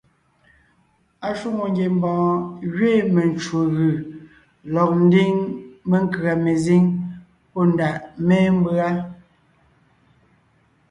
Ashwòŋo ngiembɔɔn gẅiin mencwò gʉ̀ lɔg ńdiŋ menkʉ̀a mezíŋ pɔ́ ndàʼ mémbʉa.